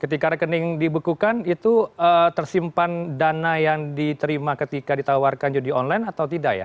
ketika rekening dibekukan itu tersimpan dana yang diterima ketika ditawarkan judi online atau tidak ya